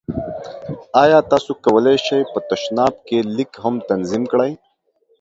ایا تاسو کولی شئ په تشناب کې لیک هم تنظیم کړئ؟